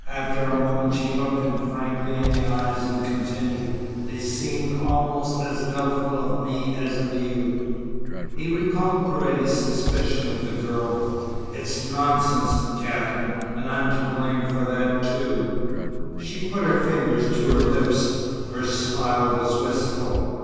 After a moment she looked him frankly in the eyes and continued: "They seemed almost as doubtful of me as of you." He recalled Paredes's suspicion of the girl. "It's nonsense, Katherine. And I'm to blame for that, too." She put her finger to her lips. Her smile was wistful.